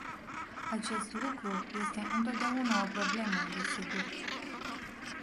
Acest lucru este întotdeauna o problemă, desigur.